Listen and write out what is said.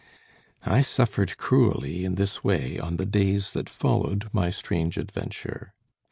I suffered cruelly in this way on the days that followed my strange adventure.